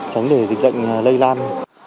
tránh để dịch bệnh lây lan